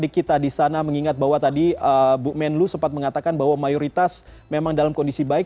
kita di sana mengingat bahwa tadi bu menlu sempat mengatakan bahwa mayoritas memang dalam kondisi baik